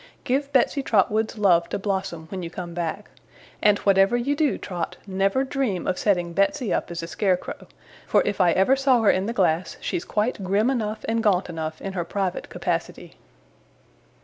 'Give Betsey Trotwood's love to Blossom, when you come back; and whatever you do, Trot, never dream of setting Betsey up as a scarecrow, for if I ever saw her in the glass, she's quite grim enough and gaunt enough in her private capacity!